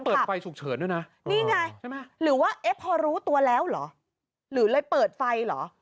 เปิดไฟฉุกเฉินด้วยนะนี่ไงใช่ไหมหรือว่าเอ๊ะพอรู้ตัวแล้วเหรอหรือเลยเปิดไฟเหรอ